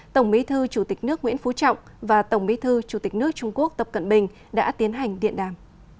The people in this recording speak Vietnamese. tổng bí thư chủ tịch nước nguyễn phú trọng và tổng bí thư chủ tịch nước trung quốc tập cận bình đã tiến hành điện đàm